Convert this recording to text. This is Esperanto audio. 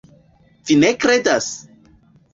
Vi ne kredas?